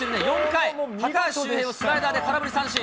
４回、高橋周平をスライダーで空振り三振。